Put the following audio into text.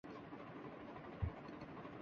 ہم میں وہ صلاحیت ہی نہیں کہ ان میں بہتری لا سکیں۔